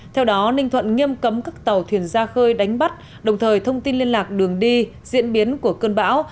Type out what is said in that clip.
theo đó ninh thuận nghiêm cấm các tàu thuyền ra khơi đánh bắt đồng thời thông tin liên lạc đường đi diễn biến của cơn bão